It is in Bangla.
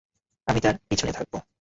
আমি তার পিছনে থাকব।